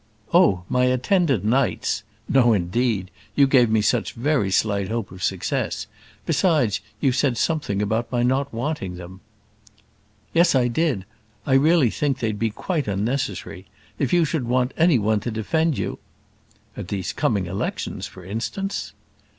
"Oh! my attendant knights! no, indeed; you gave me such very slight hope of success; besides, you said something about my not wanting them." "Yes I did; I really think they'd be quite unnecessary. If you should want any one to defend you " "At these coming elections, for instance."